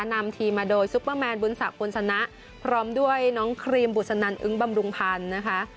นำทีมมาโดยซุปเปอร์แมนบุญศักดิพลสนะพร้อมด้วยน้องครีมบุษนันอึ้งบำรุงพันธ์นะคะ